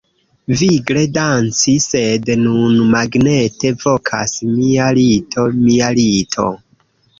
Vigle danci sed nun magnete vokas mia lito mia lito